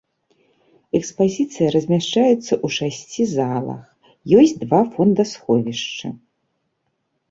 Экспазіцыя размяшчаецца ў шасці залах, ёсць два фондасховішчы.